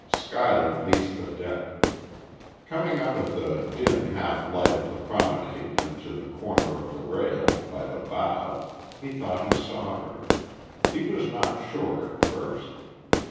Schuyler paced the deck. Coming out of the dim half light of the promenade into the corner of the rail, by the bow, he thought he saw her. He was not sure at first....